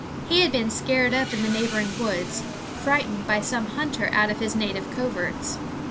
He had been scared up in the neighboring woods, frightened by some hunter out of his native coverts.